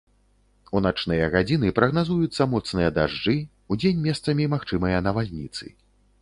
У начныя гадзіны прагназуюцца моцныя дажджы, удзень месцамі магчымыя навальніцы.